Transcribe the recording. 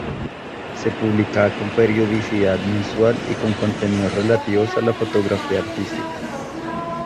Se publicaba con periodicidad mensual y con contenidos relativos a la fotografía artística.